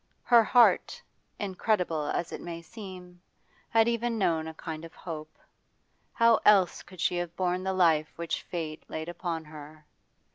Her heart, incredible as it may seem, had even known a kind of hope how else could she have borne the life which fate laid upon her?